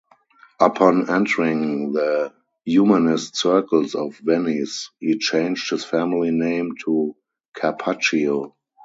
Upon entering the Humanist circles of Venice, he changed his family name to Carpaccio.